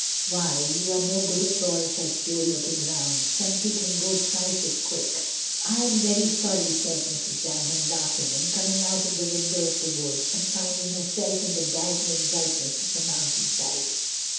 "Why, you are no good at all," says Jo, looking round. "Tempy can go twice as quick." "I am very sorry," says Mrs. Dymond, laughing, and coming out of the shadow of the wood, and finding herself in the dazzling brightness of the mountain side.